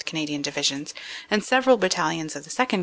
Canadian Divisions and several Battalions of the 2nd.